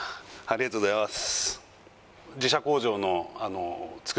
ありがとうございます